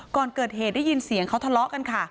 ก่อนเกิดเหตุได้ยินเสียงเขาทะเลาะกันค่ะ